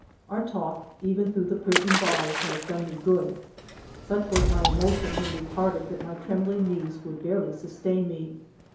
" Our talk, even through the prison bars, has done me good. Such was my emotion when we parted that my trembling knees would barely sustain me.